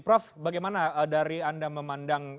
prof bagaimana dari anda memandang